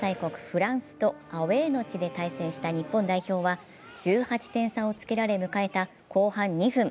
フランスとアウェーの地で対戦した日本代表は１８点差をつけられ迎えた後半２分。